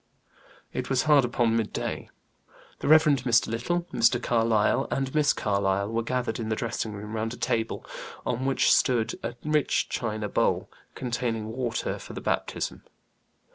It was hard upon midday. The Rev. Mr. Little, Mr. Carlyle, and Miss Carlyle were gathered in the dressing room, round a table, on which stood a rich china bowl, containing water for the baptism.